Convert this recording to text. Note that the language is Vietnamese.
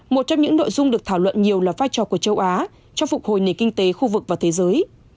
một trong những nội dung được thảo luận nhiều là vai trò của châu á trong phục hồi nền kinh tế khu vực và thế giới